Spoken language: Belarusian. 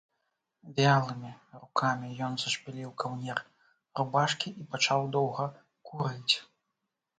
Вялымі рукамі ён зашпіліў каўнер рубашкі і пачаў доўга курыць.